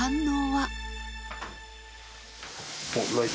はい。